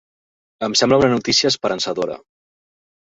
Em sembla una notícia esperançadora.